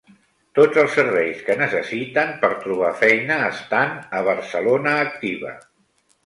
Tots els serveis que necessiten per trobar feina estan a Barcelona Activa.